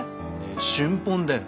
春本だよ。